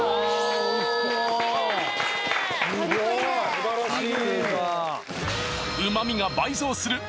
素晴らしい！